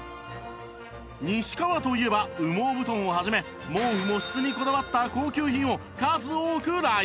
西川といえば羽毛布団をはじめ毛布も質にこだわった高級品を数多くラインアップ